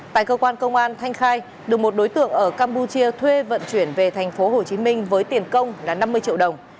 tại cơ quan công an thanh khai được một đối tượng ở campuchia thuê vận chuyển về tp hcm với tiền công là năm mươi triệu đồng